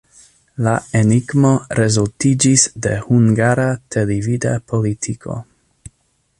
La enigmo rezultiĝis de hungara televida politiko.